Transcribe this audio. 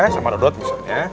sama dodot misalnya